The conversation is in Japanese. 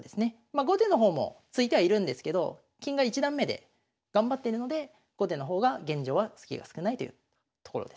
まあ後手の方も突いてはいるんですけど金が一段目で頑張っているので後手の方が現状はスキが少ないというところですね。